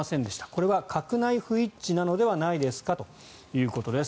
これは閣内不一致なのではないですかということです。